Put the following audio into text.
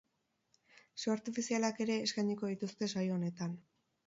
Su artifiazialak ere eskainiko dituzte saio honetan.